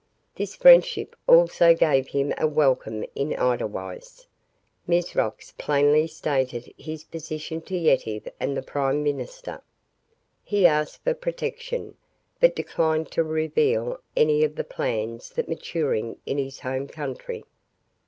This friendship also gave him a welcome in Edelweiss. Mizrox plainly stated his position to Yetive and the prime minister. He asked for protection, but declined to reveal any of the plans then maturing in his home country.